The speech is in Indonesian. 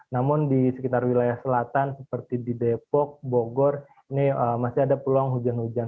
namun di wilayah jabodetabek akan mulai menurun